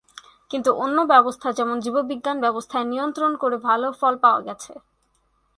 কিন্তু অন্য ব্যবস্থা যেমন জীববিজ্ঞান ব্যবস্থায় নিয়ন্ত্রণ করে ভাল ফল পাওয়া গেছে।